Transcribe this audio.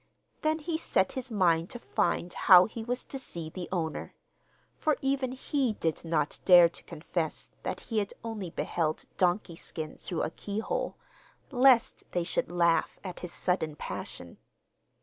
Then he set his mind to find how he was to see the owner for even he did not dare to confess that he had only beheld 'Donkey Skin' through a keyhole, lest they should laugh at this sudden passion.